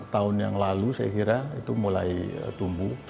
tahun yang lalu saya kira itu mulai tumbuh